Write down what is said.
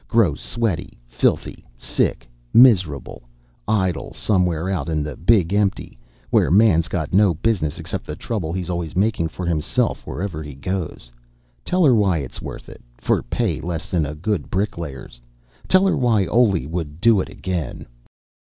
Grow sweaty, filthy, sick, miserable, idle somewhere out in Big Empty, where Man's got no business except the trouble he always makes for himself wherever he goes. Tell her why it's worth it, for pay less than a good bricklayer's. Tell her why Oley would do it again.